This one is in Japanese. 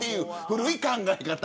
古い考え方。